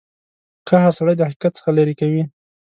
قهر سړی د حقیقت څخه لرې کوي.